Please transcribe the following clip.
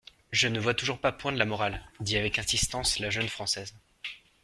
Je ne vois toujours pas poindre la morale, dit avec insistance la jeune Française.